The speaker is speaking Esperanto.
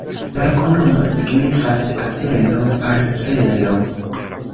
La loknomo signifas: abelo-parcelo.